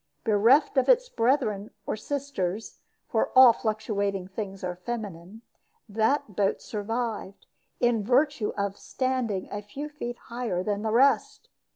Bereft of its brethren, or sisters for all fluctuating things are feminine that boat survived, in virtue of standing a few feet higher than the rest.